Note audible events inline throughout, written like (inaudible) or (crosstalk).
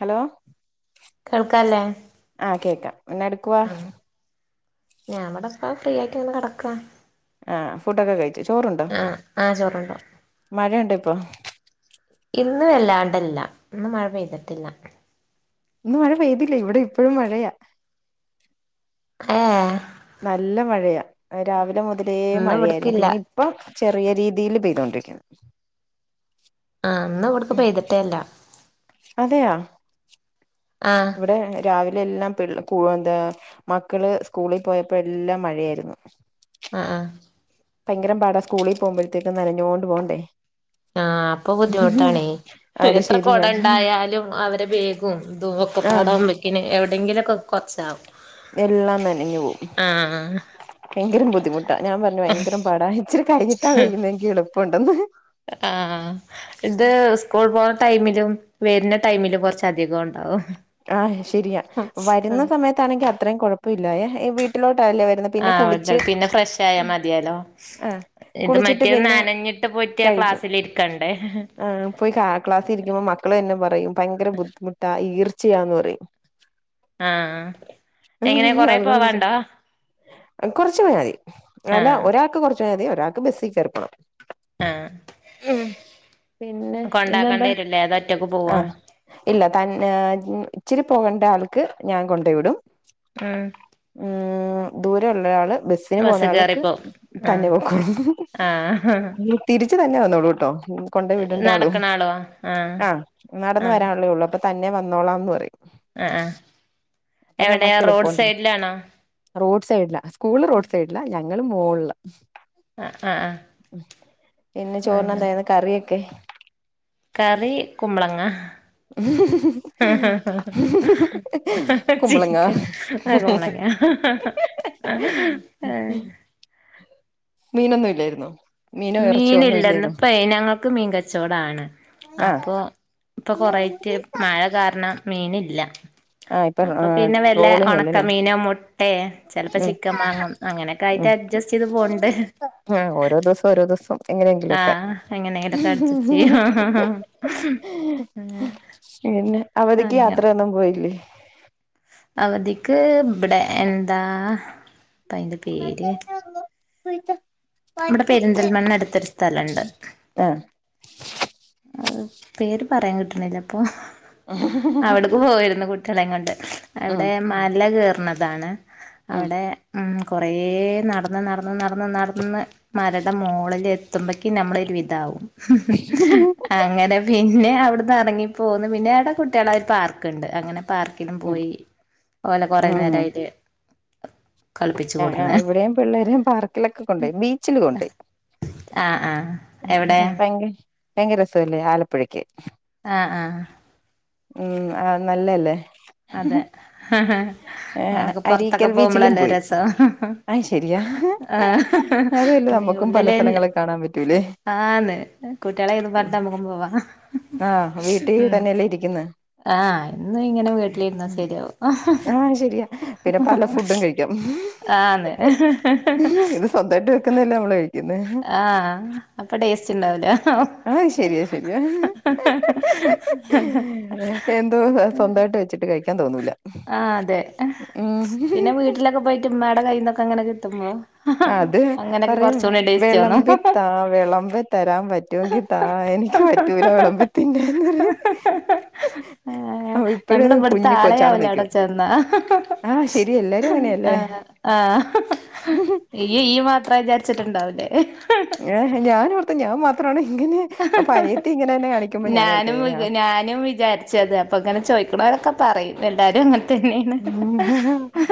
Hello കേൾക്കാല്ലേ ആ കേൾക്കാം എന്നാ എടുക്കുവാ ഞമ്മടെ സ്കൂൾ ഫ്രീ ആയിട്ടിങ്ങെനെ കടക്ക ആ ഫുഡൊക്കെ കഴിച്ചു. ചോറുണ്ടോ? ആഹ് ചോറുണ്ടു മഴണ്ട് ഇപ്പൊ ന്ന് വെല്ലാണ്ടല്ല ന്നും മഴ പെയ്തിട്ടില്ല ഇന്ന് മഴ പെയ്തില്ലേ. ഇവിടെ ഇപ്പഴും മഴയാ എ ഏ നല്ല മഴയ രാവിലെ മുതലേ ഇന്ന് മഴയായിരുന്നു. ഇവിടക്കില്ല പിന്നെ ഇപ്പം ചെറിയ രീതിയില് പെയ്തൊണ്ടിരിക്കുന്നു. ആഹ് ഇന്ന് ഇവിടക്ക് ഉം പെയ്തിട്ടേല്ല അതെയോ ആഹ് ഇവിടെ രാവിലെ എല്ലാം തെള്ള് കുവന്താ മക്കള് സ്കൂളി പോയപ്പോ എല്ലാം മഴയായിരുന്നു. അ ആ ഭയങ്കര പാടാ സ്കൂളിൽ പോകുമ്പോയ് ത്തേക്കും നനഞ്ഞോണ്ട് പോകണ്ടേ ആ അപ്പൊ ബുദ്ധിമുട്ടാണേ. അത് എത്ര കൊട ശരിയാ ണ്ടായാലും അവരെ വേകും ആ തോക്കപ്പാടാഉമ്പേക്കിന് എവ് ട്ടെങ്കിലൊക്കെ കൊച്ചാ എല്ലാം നനഞ്ഞു പോവും. ആഹ് എങ്കിലും ബുദ്ധിമുട്ടാ ഞാൻ പർ ന് ഭയങ്കര പടാ ഇച്ചിരി കിഞ്ഞിട്ടാ വെയ്യുന്നെങ്കി എളുപ്പോണ്ടോ ആഹ് ഇത് സ്കൂൾ പോണ ടൈമിലും വര്ന ടൈമില് കുറച്ച അധികോം ണ്ടാവും. ആഹ് ശരിയാ. വരുന്ന സമയത്താണെങ്കി അത്രയും കൊഴപ്പമില്ലായെ. ഇ വീട്ടിലോട്ടല്ലേ വരുന്നെ. ആ പിന്നെ കുളിച്ച് (unintelligible) പിന്നെ ഫ്രഷായാ മതിയാലോ. ആഹ് ഇത് കുളിച്ചിട്ട് മറ്റേ പിന്നെ നാനഞ്ഞിട്ട് പോയിട്ടാ കഴിക്കും ക്ലാസ്സിലിരിക്കണ്ടേ. ന്നെപറയും ഭയങ്കര ബുദ്ധിമുട്ടാ ഈർ ചയാന്ന് പറയും. ആഹ് എങ്ങനെ കൊറെ അതുകൊണ്ട്ച്ച പോവാണ്ടോ കുറച്ച് പോയാ മതി. അല്ല ആഹ് ഒരാൾക്ക് കുറച്ചോ യാതി. ഒരാൾക്ക് ബസ്സി കേറി പോണം. ആഹ് ഉം പിന്നെ കൊണ്ടാക്കേണ്ടി ഇന്നെന്താ? വരൂല്ലേ അതോ ഒറ്റക്ക് പോവോ ആഹ് ഇല്ല. തൻ ന്ന് ഇച്ചിരി പോകേണ്ട ആൾക്ക് ഞാൻ കൊണ്ടോയി വിടും. ഉം ഊം ദൂരെയുള്ളൊരാള് ബസ്സിന് ബസ് പോവുന്ന ആൾ ക്ക് കേറിപ്പോവും തന്നെ ആഹ് പൊക്കോളും. ആഹ് തിര് ച്ച് തന്നെ വന്നോളൂട്ടോ. കൊണ്ട് വിടണ്ട ആളും. നടക്കണ ആളോ ആഹ് നടന്ന് വരാന്ള്ളേള്ളൂ. അപ്പം തന്നെ വ ന്നോളാംന്ന് പറയും. ആ ആ അപ്പൊ എവിടെയാ നമുക്ക് റോഡ് എളുപ്പമുണ്ട് സൈഡിലാണോ റോഡ് സൈഡിലാ സ്കൂള് റോഡ് സൈഡിലാ ഞ ങ്ങള് മോളിലാ. ആഹ് ആഹ് പിന്നെ അങ്ങനെ ചോറിനെന്തായിരുന്നു കറിയൊക്കെ? കറി കുമ്പളങ്ങ ചി കുമ്പളങ്ങ ആ കുമ്പളങ്ങ ആ മീനൊന്നും ഇല്ലായിരുന്നോ മീനോ ഇറച്ചിയോ ഒന്നും മീനില്ലന്ന് ഇല്ലായിരുന്നോ ഇപ്പയ് ഞങ്ങൾക്ക് മീൻ കച്ചോടാണ് ആഹ് അപ്പൊ പ്പൊ കൊറേയിട്ട് മഴ കാരണം മീനില്ല. ആഹ് ഇപ്പൊ അപ്പൊ പിന്നെ വല്ല ട്രോളിങ് അല്ലല്ലേ ഒണക്കമീനോ മുട്ടേ ചെലപ്പോ ഉം ചിക്കൻ വാങ്ങും അങ്ങനെക്കെ ആയിട്ട് ഉം അഡ്ജസ്റ്റയ്ത് പോണുണ്ട്. എങ്ങനെയെങ്കിലൊക്കെ ചെയ്യും പിന്നെ അവധിക്ക് അങ്ങനെ യാത്രയൊന്നും പോയില്ലേ? അവധിക്ക് ഇബടെ എന്താ ത്താ അയ്ന്റെ പേര്? ഇവടെ പെരുന്തൽമണ്ണ അടുത്തൊരു സ്ഥലെണ്ട്. ആഹ് (unintelligible) പേര് പറയാൻ കിട്ടണില്ല ഇപ്പൊ അവിടെക്ക് പോയിരുന്നു കു ട്ട്യേളേംകൊണ്ട്. ഉം അവിടെ മല കേർ ണതാണ്. ഉം അവിടെ ഉം കുറേ നടന്ന് നടന് നടന്ന് നടന്ന് മര ൻ്റെ മോളില് എത്തുമ്പക്ക് നമ്മളൊരുവിതാകും അങ്ങനെ പിന് പിന്നെ അവിടുന്നറങ്ങിപ്പോന് പിന്നേവിടെ കുട്ടീളെ ഒരു പാർക്ക്ണ്ട് അങ്ങനെ പാർക്കിലും ഉം പോയി ഓലെ കറങ്ങലൊക്കായിട്ട് ആ ആ ഇവിടെം പിള്ളേരെം പാർക്കിലൊക്കെ കൊണ്ടോയി ബീച്ചില് കൊണ്ടോയി ആഹ് ആഹ് മ് എവിടെ മ് ഭയങ്ക ഭയങ്കരസല്ലേ ആലപ്പുഴക്ക് ആ ആ ഉം ആ നല്ലല്ലേ അതെ അങ്ങനെക്കെ പൊറത്തൊക്കെ അരീക്കൽ ബീച്ചിലും പോകുമ്പളല്ലേ പോയി രസ അത് ശരിയാ ആ അതുവല്ലേ ന നമ്മുക്കും പല ഉള്ളില സ്ഥലങ്ങള് കാണാൻ പറ്റൂലേ ആന്ന് കൂട്ടീളെ രും പറഞ്ഞിട്ട് മ്മക്കും പോവാ ആ വീട്ടില് ഉം തന്നെല്ലേ ഇരിക്ക്ന്ന് ആ ശരിയാവും പിന്നെ പല ഫുഡും കഴിക്കാം ആന്നെ ന്ന്ലെ മ്മളൈ ആ അപ്പൊ ടേസ്റ്റ് ഇണ്ടാവൂല ആഹ് ശരിയാ ശരിയാ എന്തോ സ്വന്തമായിട്ട് വെച്ചിട്ട് കഴിക്കാൻ തോന്നൂല ആ അതെ ഉം പിന്നെ വീട്ടിലൊക്കെ പോയിട്ട് മ്മയുടെ കയ്യിന്നൊക്കെ അങ്ങനെ തമ്മ അത് പറയും തോന്നും വിളമ്പി താ വിളമ്പി തരാൻ പറ്റുമെങ്കിൽ താ എനിക്ക് പറ്റൂല വിളമ്പിത്തിന്നാൻ എന്നു പറയും ഏഹ് അ ഇപ്പഴന്ന് കുഞ്ഞി കൊച്ചാണെന്ന് ചോയിക്കും ആ അങ്ങനെയല്ലേ ആ ഈ ഈ മാത്ര വിചാരിച്ചിട്ടുണ്ടാവില്ലേ ഏ ഞാൻ ഓർത്തു ഞാൻ മാത്രാണ് ഇങ്ങനെ അപ്പൊ അനിയത്തി ഇങ്ങനെ തന്നെ കാണിക്കുമ്പോ ഞാനോർത്ത് ഞാനും യാ ഞാനും വിചാരിച്ചത് അപ്പൊ അങ്ങനെ ചോദിക്കണരൊക്കെ പറയും എല്ലാവരും അങ്ങനെ തന്നെയാണ്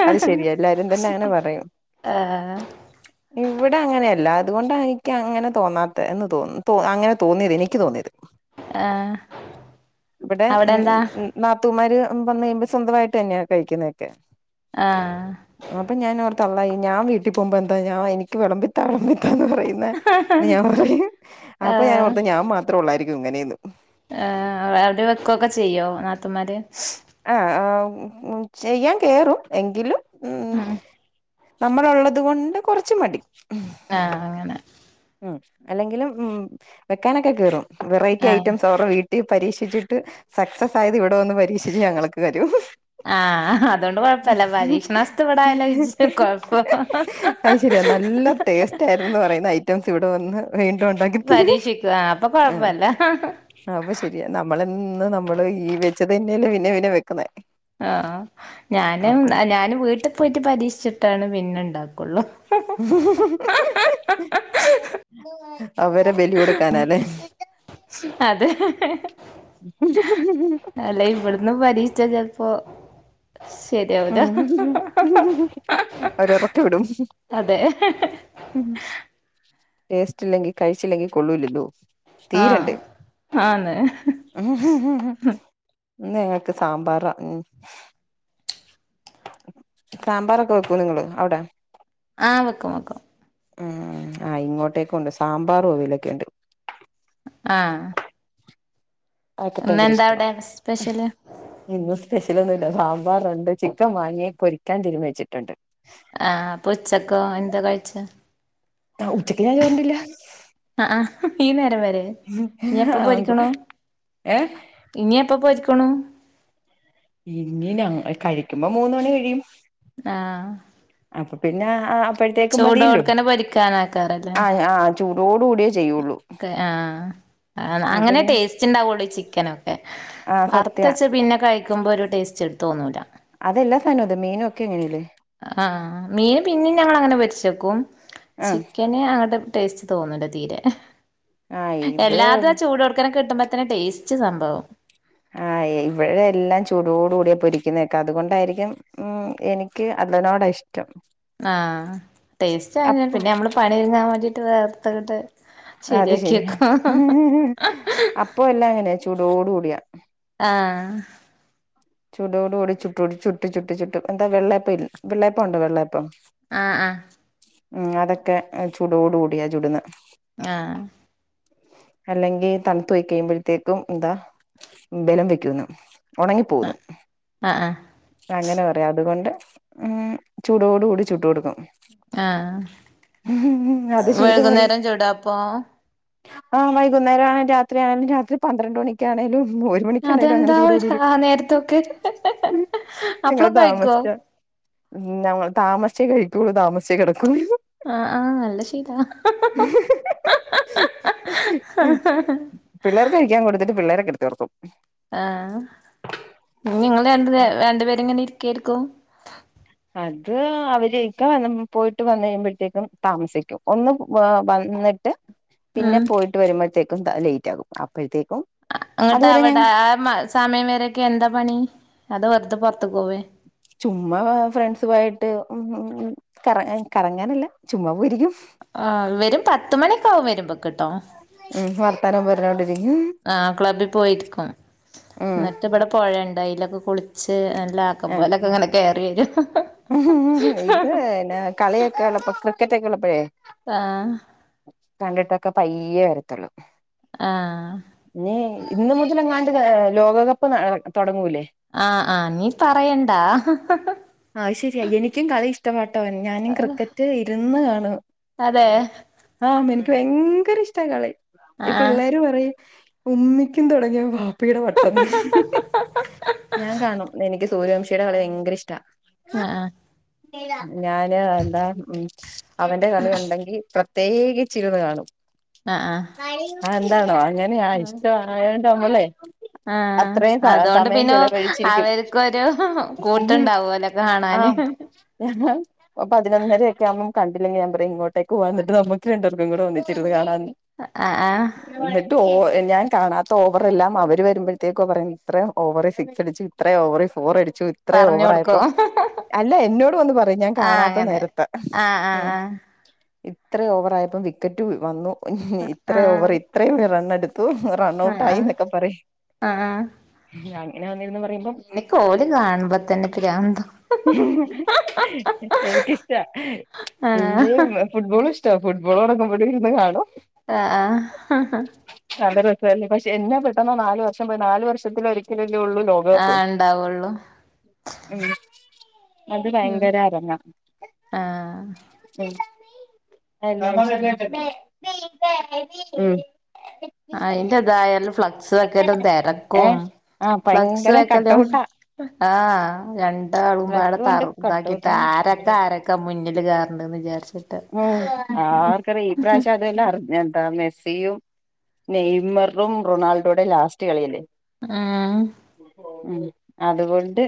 അത് ശരിയ എല്ലാരും തന്നെ അങ്ങനെ പറയും ആഹ് ഇവിടെ അങ്ങനെയല്ല അത് അതുകൊണ്ടാണ് എനിക്ക് അങ്ങനെ തോന്നാത്ത എന്ന് തോന്നുന്നു അങ്ങനെ തോന്നിയത് എനിക്ക് തോന്നിയത്. ആഹ് ഇവിടെ അവിടെ എന്താ ഉം നാത്തൂമാര് മ്പോന്നു കഴിയുമ്പോ സ്വന്തമായിട്ട് തന്നെയ കഴിക്കുന്നൊക്കെ ആ തള്ളേ ഞാൻ വീട്ടിൽ പോവുമ്പോ എന്താ ഞാൻ എനിക്ക് വിളമ്പിത്താ തള്ളേ ന്ന് പറയുന്ന ഞാൻ പറയും അപ്പൊ ഞാനോർത്തു ഞാൻ മാത്രാ അത്രള്ളായിരിക്കും ഇങ്ങനെയന്ന് ഏ അവരുടെ വെക്കൊക്കെ ചെയ്യോ നാത്തന്മാര് ആ ആ ചെയ്യാൻ കേറും എങ്കിലും ഉം നമ്മളുള്ളത് കൊണ്ട് കുറച്ച് മടി ആ അങ്ങനെ ഉം അല്ലെങ്കിലും ഉം വെക്കാനൊക്കെ കയറും വെറൈറ്റി ആഹ് ഐറ്റംസ് അവർടെ വീട്ടി പരീക്ഷിച്ചിട്ട് സക്സസ് ആയത് ഇവിടെ വന്ന് പരീക്ഷിച്ച് ഞങ്ങൾക്ക് തരും ആഹ് അതുകൊണ്ട് കൊഴപ്പല്ല പരീക്ഷണാവസ്ഥ ഇവിടെ ആയാലാ കൊഴപ്പം അത് ശരിയാ നല്ല ടേസ്റ്റ് ആയിരുന്നെന്നു പറയുന്ന ഐറ്റ് ഇവിടെ വന്ന് വീണ്ടും ഉണ്ടാക്കിത്തരും പരീക്ഷിക്കും ആഹ് അപ്പൊ ആ കൊഴപ്പല്ല അപ്പൊ ശരിയാ നമ്മള് ന്ന് നമ്മള് ഈ വെച്ചതുതന്നെയല്ലേ പിന്നെയും പിന്നെയും വെക്കുന്നേ ആ ഞാനും അപ്പം ഞാൻ വീട്ടിൽ പോയിട്ട് പരീക്ഷിച്ച എന്നിട്ടാണ് പിന്നേ ഇണ്ടാക്കൊള്ളൂ അവരെ ബലി കൊട്കാനല്ലേ അതെ അല്ല ഇവിടുന്ന് ബലി മറ്റേ ചിലപ്പോൾ ഉം ഉം അവരെറക്കിവിടും അതെ ടെസ്റ്റില്ലെങ്കിൽ കഴിച്ചില്ലെങ്കിൽ കൊള്ളൂല്ലല്ലോ ആ ആന്ന് ഉം ഇന്ന് ഞങ്ങക്ക് സമ്പാറ ഉം സമ്പാറൊക്കെ വെക്കോ നിങ്ങൾ അവടെ ആ വെക്കും വെക്കും ഉം ഇങ്ങോട്ടേക്കുണ്ട് സാമ്പാർ അവിയിലൊക്കെയിട്ട് അ അതൊക്കെ ഭയങ്കര ഇന്നെന്താ ഇഷ്ടവാ അവിടെ സ്പെഷ്യല് സ്പെഷ്യൽ ഒന്നുല്ല സമ്പാറുണ്ട് ചിക്കൻ വാങ്ങി പൊരിക്കാൻ തീരുമാനിച്ചട്ടുണ്ട് ആ അപ്പൊ ഉച്ചക്കോ എന്താ കഴിച്ചേ അ ഉച്ചക്ക് ഞാൻ ചോറുണ്ടില്ല അ അ ഈ നേരം വരെ ഇനി എപ്പോ പൊരിക്കണം ഏഹ് ഇനിയെപ്പോ പൊരി- പണം ഉം ഞങ്ങൾ കഴിക്കുമ്പോ മൂന്ന് മണി കഴിയും ആഹ് അപ്പോ പിന്നേ ആ ചുടോടതന്നെ പൊരിക്കാനാകാർലേ ചൂടോടുകൂടിയ ആഹ് ആന്ന് ആഹ് അങ്ങനെ പിന്നെ ടെസ്റ്റുണ്ടാവൊള്ളൂ ചിക്കനൊക്കെ ആഹ് അറുത്ത് സത്യാ വെച്ച പിന്നെ കഴിക്കുമ്പോ ഒരു ടെസ്റ്റ് തോന്നൂല അതെല്ലാ സാധനവും അതെ മീനും ഒക്കെ അങ്ങനെയല്ലേ ആഹ് മീന് പിന്നേം ഞങ്ങള് അങ്ങിനെ പൊരിചെക്കും ആഹ് ചിക്കന് അങ്ങട്ട് ടെസ്റ്റ്തൊന്നുല്ല തീരെ ആഹ് ഇത് എല്ലാതും ചോടോടകനെ കെ ട്ടുംപതിനു ടെസ്റ്റ്‌ സംഭവം ആ ഇവിടെല്ലാം ചൂടോടു കൂടി പൊരിക്കുന്നെക്കെ അതുകൊണ്ടായിരിക്കും എനിക്ക് അതിന്നോടഷ് ആഹ് ടെസ്റ്റാന്ന അപ്പൊ പിന്നമ്മള് പണിഴിഞ്ഞാമതി (unintelligible) അത് ശരി ഹ് ഹ് ഹ് അപ്പോല്ലാങ്ങനെ ചൂടോടുകൂടിയ ആ ചൂടോടുകൂടി ചുട്ടോണ്ട് ചുട്ട് ചുട്ട് ചുട്ട് എന്താ വെള്ളെപ്പല്ലെ വെള്ളെ പംണ്ട് വെള്ളപ്പം ആഹ ആഹ ഉ അതൊക്കെ ചൂടോട കൂടിയാ ചൂട്ന്ന് ആഹ അല്ലെങ്കിൽ തണുത്തോയ് കഴിയുമ്പോഴത്തേക്കും എന്താ ബലം വെക്കുന്നു ഉണങ്ങിപ്പോന്നു ആഹ് അങ്ങനെ പറയാ അതുകൊണ്ട് ഉ ചൂടോട് കൂടി ചുട് കൊടുക്കും ആഹ അത് ശീലമായി വൈകുന്നേരം ചൂടാപ്പ ആഹ് വൈകുന്നേരം ആണേങ്കില രാത്രി ആണേലും രാത്രി പന്ത്രണ്ട് മണിക്കക്ക്ണെങ്കലും അതെന്താ നേരത്തൊക്കെ അപ്പളൊക്കെ കഴിക്കോ നമ്മൾ താമസയേ കഴിക്കുള്ളൂ താമസെ കിടക്ക ആഹ ആഹ് നല്ല ശീല പിള്ളേർക്ക് കഴിക്കാൻ കൊടുത്തിട്ട് പിള്ളേരെ കെടുത്തർത്തു ആഹ ങ്ങള് വേണ്ട വേണ്ട പേരെങ്ങനെ കേൾക്കോ അത് അവരേക്കാന്ന് പോയിട്ട് വന്ന് കഴിയുമ്പഴത്തേക്കും താമസിക്കും ഒന്ന് വാ വന്നി ട്ട് പിന്നെ ഉം പോയിട്ട് വരുമ്പഴത്തേ ക്കും ലേറ്റ് ആകും അപ്പഴത്തേ അങ്ങട്ട് അവിടെ ആ മ സമയം വരേക്കെ എന്താ പണി അതോ വെർ തെപൊർ ചുമ്മാ ഫ്രണ്ട്സുവായിട്ട് ഉം ഹു ഉ കറങ്ങാൻ കറങ്ങാനല്ല ചുമ്മാ പോയിരിക്കും ആ വരും പത്തുമണീക്ക ആവും വരുമ്പ കെട്ടോ ഉം വർത്താനം പറഞ്ഞോണ്ടിരിക്കും ആ ക്ലബ്ബി പോയിരിക്കും ഉം എന്നിട്ട് ഇവിടെ പൊഴേണ്ട് അതിലൊക്കെ കുളിച്ച് (unintelligible) ല്ലാക്കുമ്പോലക്കെ ഇങ്ങനെ കയറിവരും എഹ. ഉ ഇത് കളിയക്കാല പക്ക കെറ്റക്കെല്ലപ്പഴേ ആഹ്. കണ്ടിട്ടൊക്കെ പയ്യേ വരത്തുള്ളു. ആഹ്. നീ ഇന്ന് മുതൽ എങ്ങാണ്ട് ലോകകപ്പ് തുടങ്ങൂലേ? ആഹ് ആഹ് നീ പറയണ്ടാ. ഹ ഹ. റ്റ മ ട്ടോ ഞാനും ക്രിക്കറ്റ് ഇരുന്ന് കാ അതെ (unintelligible) ആ മ ഭയങ്കര ഇഷ്ട കളി. ഈ ആഹ് പിള്ളോര് പറയും ഉമ്മിക്കും തുടങ്ങിയ വ വാപ്പിയുടെ വട്ട് എന്ന് ഞാൻ കാണും എനിക്ക് സൂര്യ ടെ കളി ഭയങ്കര ഇഷ്ട അ ആ ഞാന് എന്താ ഉം അവന്റെ കളിയുണ്ടെങ്കി പ്ര തേകിച്ചിരിന്ന് കാണും. അ ആഹ് അ എന്താണോ അത് ഞനെ ആ ഇഷ്ട വാഴ ക നമ്മളേ ആ അതുകൊണ്ട് പിന്നെ ചെലവഴിച്ചിരിക്കും അവർക്കൊരു കൂട്ടുണ്ടാവൊല്ലൊ കാ ആ പതിനൊന്നര ഒക്കെ ആവുമ്പം കണ്ടില്ലെങ്കിൽ ഞാൻ പറയും ഇങ്ങോട്ടേക്ക് വാ എന്നിട്ട് നമ്മക്ക് രണ്ടു പേർക്കും കൂടെ ഒന്നിച്ചിരുന്ന്കാണാന്ന്. ആഹ് ആഹ് എന്നിട്ട് ഓ എൻ ഞാൻ കാണാത്ത ഓവറെല്ലാം അവര് വരുമ്പോഴത്തേക്കൊ പറയും ഇത്രേം ഓവർ സിക്സ് അടിച്ച് ഇത്രേം ഓവർ ഫോർ അടി ച്ചു ഇത്രേം പറഞ്ഞു കൊടുക്കും ഓവറായപ്പം അല്ല എന്നോട് വന്ന് പറയും ഞാൻ ആഹ് കാണാത്ത അങ്ങനെ നേരത്ത് ആഹ് ഉം ആഹ് ഇത്രേ ഓവറായപ്പം വിക്കറ്റ് വന്നു. ഇത്ര ഓവർ ആഹ് ഇത്രയും റൺഎടു ത്തൂ റൺ ആഹ് ഔട്ട് ആയി ആഹ് എന്നൊക്കെ പറയും ആഹ് ആഹ് ഞങ്ങ് എനിക്ക് ഓട് കാണുമ്പോതന്നെ പ്രാ എനിക് ഇഷ്ടാ ആഹ് ഫുട്ബോൾ ഇഷ് ട്ടാ ഫുട്ബോൾ നടക്കുമ്പോഴും ഇരുന്നു കാണും. - ആ ആ എന്നെ പെട്ടന്ന് നാല് വർഷം പോയിത് നാല് വർഷത്തി ഒരിക്കല ഒള്ളു ലോകകപ്പ്- ആഹ് ഉണ്ടാവുള്ളൂ അത് ഉം ഭയങ്കര അരങ്ങാ ആഹ് ഉം- (inaudible) മ് അയിന്റെതായാലും ഫ്ലക് ഫ്ലക്സ് വെക്കലും തെരക്കും ഏഹ് ആഹ് ഫ്ലക്സ് ഭയങ്കര വെക്കലും കട്ടൗട്ടാ ആ രൺ ഇതാകുമ്പോ ആടെ ഫ്ലക്സ് കൊണ്ട് തറുതാക്കിട്ട് കട്ടൗട്ടുണ്ട് ആരൊക്കെ ആരൊക്കെ മുന്നില് കേയറുണ്ട്ന്ന് വിചാരിച്ചിട്ട്- ഉം ആർക്കറിയാം ഈ പ്രാവശ്യം അതെല്ലാം അറിഞ്ഞ എന്താ മെസ്സിയും നെയ്മറും റൊണാൾഡോയുടെ ലാസ്റ്റ് കളിയല്ലേ? ആ ഉം അതുകൊണ്ട്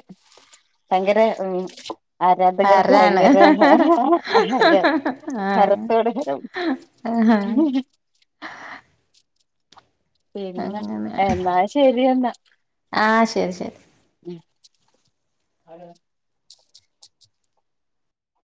ഭയങ്കര ഉം ആരാധകർക്ക് ഹരാണ് ഭയങ്കര (unintelligible) ഹരം ആഹ് ഹരത്തോട് ഹരം ആഹ് ശരിന്നാ എന്നാ ശരിയെന്നാ ആ ശരി ശരി ഹലോ